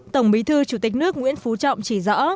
tổng bí thư chủ tịch nước nguyễn phú trọng chỉ rõ